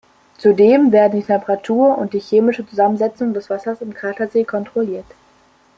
Zudem werden die Temperatur und chemische Zusammensetzung des Wassers im Kratersee kontrolliert.